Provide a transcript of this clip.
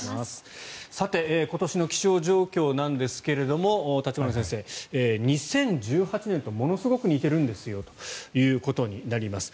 さて今年の気象状況なんですが立花先生、２０１８年とものすごく似ているんですよということになります。